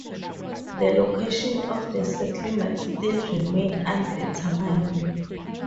The location of the settlement still remained undetermined.